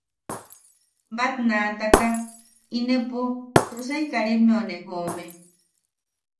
Batnaataka inepo Tosai Karimmeu ne joome.